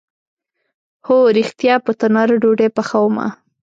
هو ریښتیا، په تناره ډوډۍ پخومه